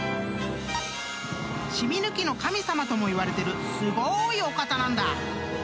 ［染み抜きの神様ともいわれてるすごいお方なんだ］